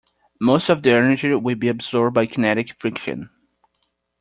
Most of the energy will be absorbed by kinetic friction.